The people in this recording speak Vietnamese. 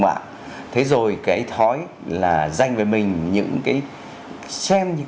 mạng thế rồi cái thói là dành cho mình những cái xem những